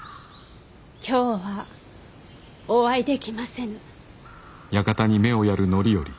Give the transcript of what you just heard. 今日はお会いできませぬ。